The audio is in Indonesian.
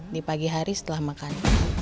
di pagi hari setelah makan